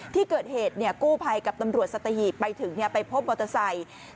ที่เกิดเหตุกู้ภัยกับตำรวจสัตหีบไปถึงไปพบมอเตอร์ไซค์